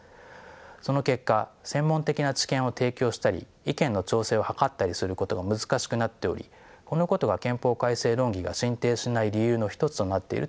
その結果専門的な知見を提供したり意見の調整を図ったりすることが難しくなっておりこのことが憲法改正論議が進展しない理由の一つとなっていると思われます。